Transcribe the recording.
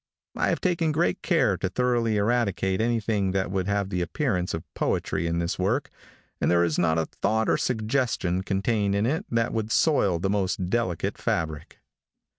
I have taken great care to thoroughly eradicate anything that would have the appearance of poetry in this work, and there is not a thought or suggestion contained in it that would soil the most delicate fabric.